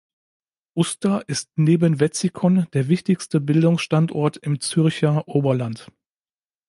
Uster ist neben Wetzikon der wichtigste Bildungsstandort im Zürcher Oberland.